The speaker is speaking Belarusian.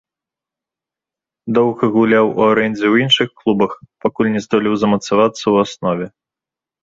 Доўга гуляў у арэндзе ў іншых клубах, пакуль не здолеў замацавацца ў аснове.